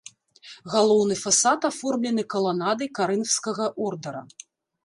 Галоўны фасад аформлены каланадай карынфскага ордара.